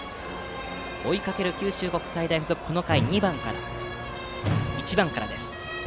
追いかける九州国際大付属この回は１番からです。